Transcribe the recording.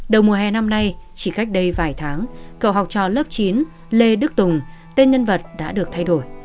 đầu mùa hè năm nay chỉ cách đây vài tháng cậu học trò lớp chín lê đức tùng tên nhân vật đã được thay đổi